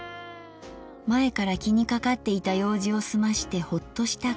前から気にかかっていた用事をすましてホッとした